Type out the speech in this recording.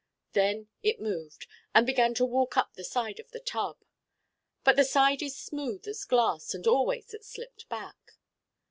Then it moved and began to walk up the side of the tub. But the side is smooth as glass and always it slipped back.